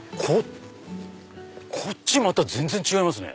こっちまた全然違いますね。